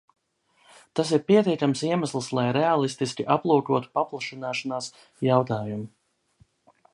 Tas ir pietiekams iemesls, lai reālistiski aplūkotu paplašināšanās jautājumu.